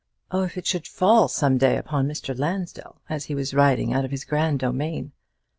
If it should fall some day upon Mr. Lansdell, as he was riding out of his grand domain!